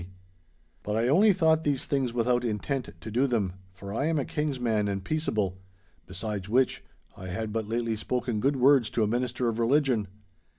But I only thought these things without intent to do them, for I am a King's man and peaceable—besides which, I had but lately spoken good words to a minister of religion.